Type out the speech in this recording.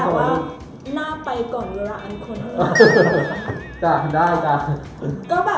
แต่ว่าหน้าก่อนหลังคนเหรอ